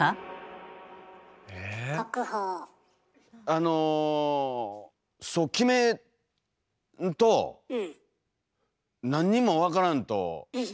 あのそう決めんと何にも分からんと。